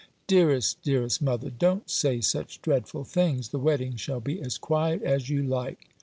"Dearest, dearest mother, don't say such dread ful things. The wedding shall be as quiet as you like."